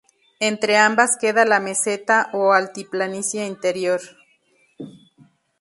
Entre ambas queda la meseta o altiplanicie interior.